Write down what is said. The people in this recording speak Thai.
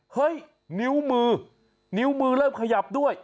นิ้วมือนิ้วมือเริ่มขยับด้วย